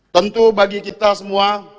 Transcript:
tentu bagi kita semua